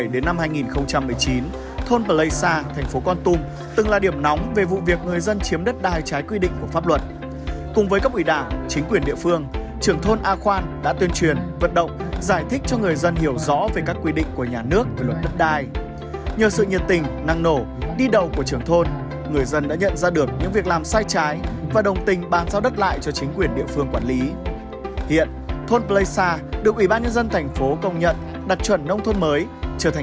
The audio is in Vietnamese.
do chính quyền địa phương quản lý hiện thôn pleisa được ủy ban nhân dân thành phố công nhận